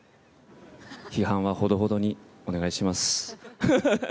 批判はほどほどにお願いします。